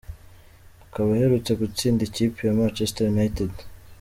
Akaba aherutse gutsinda ikipe ya Manchester United.